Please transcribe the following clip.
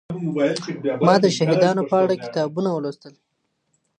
ما د شهيدانو په اړه کتابونه ولوستل.